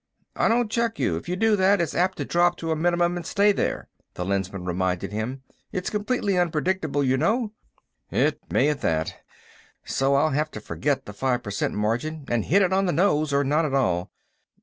"I don't check you. If you do that, it's apt to drop to a minimum and stay there," the Lensman reminded him. "It's completely unpredictable, you know." "It may, at that ... so I'll have to forget the five percent margin and hit it on the nose or not at all.